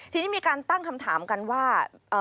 ทีนี้มีการตั้งคำถามกันว่า